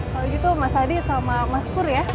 kalau gitu mas adi sama mas pur ya